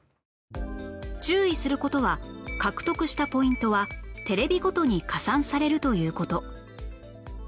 注意する事は獲得したポイントはテレビごとに加算されるという事